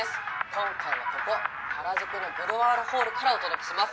今回はここ原宿のグロワールホールからお届けします。